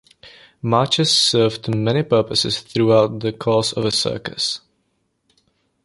Marches served many purposes throughout the course of a circus.